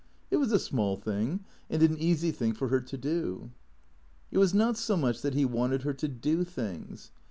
It was a small thing and an easy thing for her to do. It was not so much that he wanted her to do things.